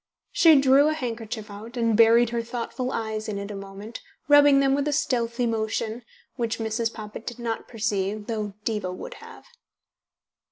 She drew a handkerchief out, and buried her thoughtful eyes in it a moment, rubbing them with a stealthy motion, which Mrs. Poppit did not perceive, though Diva would have.